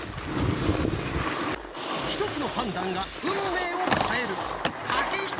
一つの判断が運命を変える駆け引き力が試される！